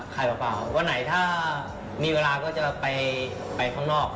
เปล่าวันไหนถ้ามีเวลาก็จะไปข้างนอก